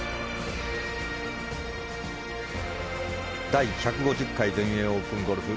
第１５０回全英オープンゴルフ